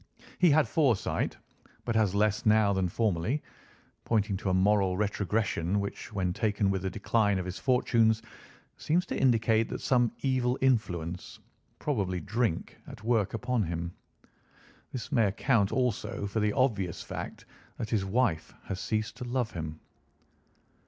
He had foresight, but has less now than formerly, pointing to a moral retrogression, which, when taken with the decline of his fortunes, seems to indicate some evil influence, probably drink, at work upon him. This may account also for the obvious fact that his wife has ceased to love him."